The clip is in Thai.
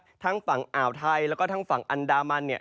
ในฝั่งนะครับทั้งฝั่งอ่าวไทยแล้วก็ทั้งฝั่งอันดามันเนี่ย